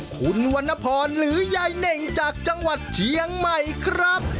คุณวรรณพรหรือยายเน่งจากจังหวัดเชียงใหม่ครับ